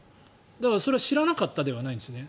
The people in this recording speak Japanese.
それは知らなかったではないんですね。